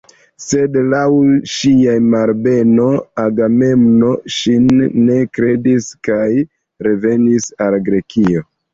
Sed laŭ ŝia malbeno Agamemno ŝin ne kredis kaj revenis al Grekio.